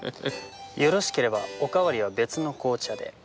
よろしければおかわりは別の紅茶で。